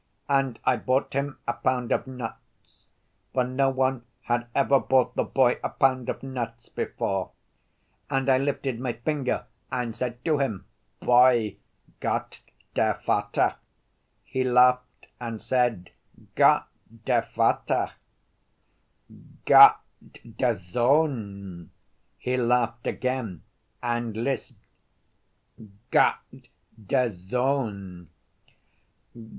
"And I bought him a pound of nuts, for no one had ever bought the boy a pound of nuts before. And I lifted my finger and said to him, 'Boy, Gott der Vater.' He laughed and said, 'Gott der Vater.'... 'Gott der Sohn.' He laughed again and lisped, 'Gott der Sohn.